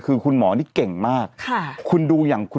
เราก็มีความหวังอะ